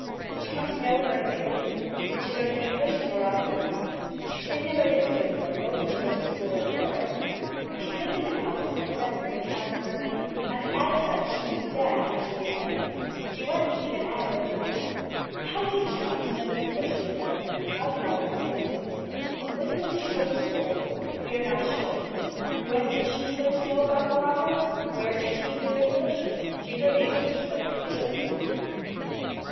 Did she come to know her in Italy. Did she learn English in Morocco. She has never been to England nor did she go to school in Florence. She lived in the house with the friends of the count Berny and as such she knew them and she knew him. She went to eat an Arab dinner. How did she come to know the people she has known. I do not understand it. With whom did she go to school. We are not sure. When did she first know about Morocco. Where did she hear English. She heard English spoken to children.